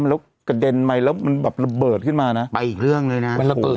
แล้วกระเด็นไปแล้วมันแบบระเบิดขึ้นมานะไปอีกเรื่องเลยนะมันระเบิด